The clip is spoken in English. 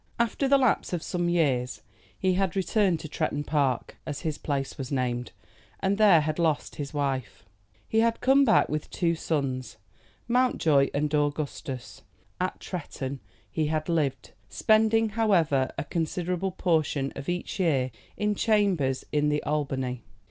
After the lapse of some years he had returned to Tretton Park, as his place was named, and there had lost his wife. He had come back with two sons, Mountjoy and Augustus, and there, at Tretton, he had lived, spending, however, a considerable portion of each year in chambers in the Albany.